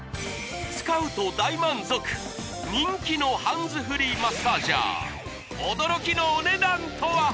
使うと大満足人気のハンズフリーマッサージャー驚きのお値段とは？